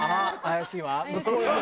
「怪しいわね」。